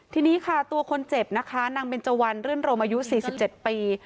ทีนี้ค่ะตัวคนเจ็บนะคะนางเบนเจวันรื่นรมอายุ๔๗ปี